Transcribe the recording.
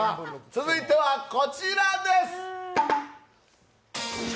続いてはこちらです